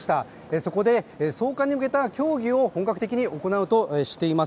そこで送還に向けた協議を本格的に行うとしています。